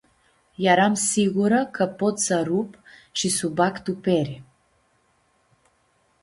Earam siyurã ca pot s-arup shi su bag tu peri.